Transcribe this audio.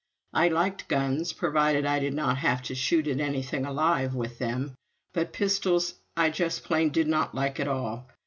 I liked guns, provided I did not have to shoot at anything alive with them; but pistols I just plain did not like at all.